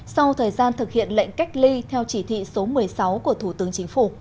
sau thời gian thực hiện lệnh cách ly theo chỉ thị số một mươi sáu của thủ tướng chính phủ